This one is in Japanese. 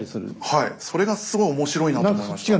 はいそれがすごい面白いなと思いました。